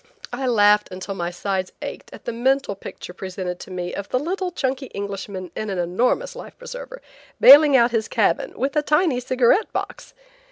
I laughed until my sides ached at the mental picture presented to me of the little chunky Englishman in an enormous life preserver, bailing out his cabin with a tiny cigarette box!